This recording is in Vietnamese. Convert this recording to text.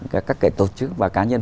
các cái tổ chức và cá nhân